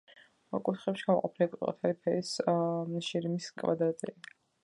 კუთხეებში გამოყენებულია ყვითელი ფერის შირიმის კვადრები.